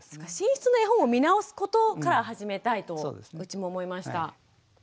寝室の絵本を見直すことから始めたいとうちも思いました。